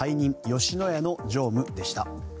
吉野家の常務でした。